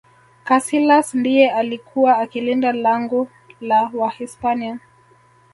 kasilas ndiye alikuwa akilinda langu la wahispania